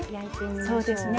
そうですね。